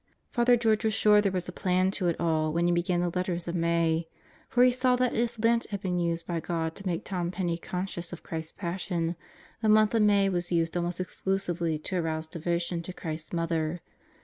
Father George was sure there was a plan to it all when he began the letters of May. For he saw that if Lent had been used by God to make Tom Penney conscious of Christ's Passion, the month of May was used almost exclusively to arouse devotion to Christ's Mother.